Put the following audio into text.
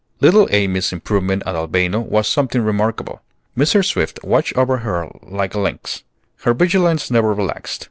Little Amy's improvement at Albano was something remarkable. Mrs. Swift watched over her like a lynx. Her vigilance never relaxed.